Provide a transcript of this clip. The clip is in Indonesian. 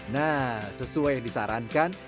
nah sesuai yang disarankan